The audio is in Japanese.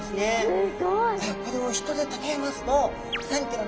すごい。